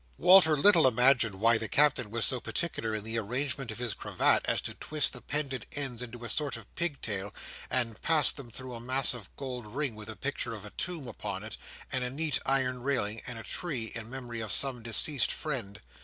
Walter little imagined why the Captain was so particular in the arrangement of his cravat, as to twist the pendent ends into a sort of pigtail, and pass them through a massive gold ring with a picture of a tomb upon it, and a neat iron railing, and a tree, in memory of some deceased friend.